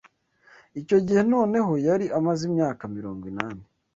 Icyo gihe noneho yari amaze imyaka mirongo inani